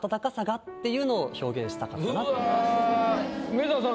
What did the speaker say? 梅沢さん